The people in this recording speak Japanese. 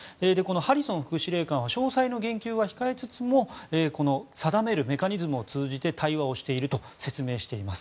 ハリソン副司令官は詳細の言及は控えつつもこの定めるメカニズムを通じて対話をしていると説明しています。